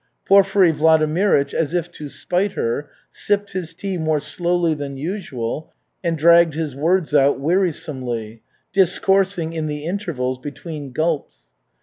Porfiry Vladimirych, as if to spite her, sipped his tea more slowly than usual, and dragged his words out wearisomely, discoursing in the intervals between gulps.